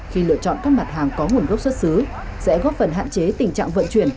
khi lựa chọn các mặt hàng có nguồn gốc xuất xứ sẽ góp phần hạn chế tình trạng vận chuyển